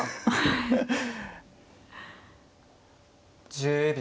１０秒。